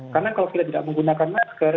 karena kalau kita tidak menggunakan masker